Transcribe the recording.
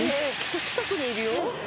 近くにいるよ。